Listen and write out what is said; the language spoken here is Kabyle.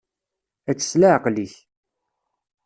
Ečč s leɛqel-ik.